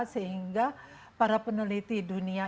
sehingga para peneliti dunia